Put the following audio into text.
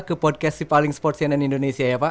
ke podcast sipaling sport cnn indonesia ya pak